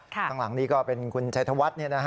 ข้างหลังนี้ก็เป็นคุณชัยธวัฒน์